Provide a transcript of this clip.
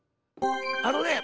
あのね